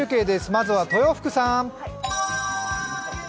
まずは豊福さん。